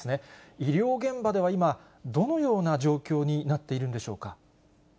医療現場では今、どのような状況になっているんでしょうか。